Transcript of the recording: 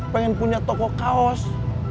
pengen punya toko kaos